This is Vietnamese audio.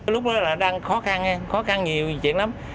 lúc đó là đang khó khăn khó khăn nhiều chuyện lắm